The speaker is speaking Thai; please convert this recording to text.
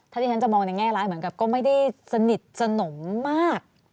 ถ้าที่ฉันจะมองในแง่ร้ายเหมือนกับก็ไม่ได้สนิทสนมมาก